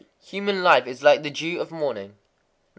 _ Human life is like the dew of morning. 94.